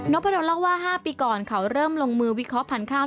พะดนเล่าว่า๕ปีก่อนเขาเริ่มลงมือวิเคราะห์พันธุ์ข้าว